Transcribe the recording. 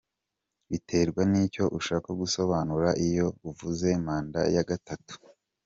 Biterwa n’icyo ushaka gusobanura iyo uvuze manda ya gatatu.